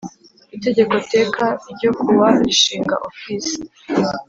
Itegeko Teka ryo kuwa rishinga Ofisi